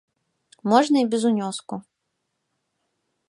Можна і без унёску.